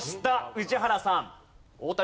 宇治原さん。